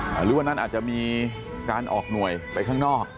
หรือวันนั้นอาจจะมีการออกหน่วยไปข้างนอก